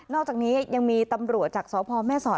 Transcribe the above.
อกจากนี้ยังมีตำรวจจากสพแม่สอด